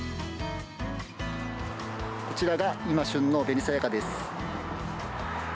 こちらが今旬の紅さやかです。